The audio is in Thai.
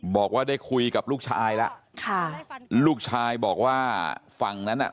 บอกว่าได้คุยกับลูกชายแล้วค่ะลูกชายบอกว่าฝั่งนั้นอ่ะ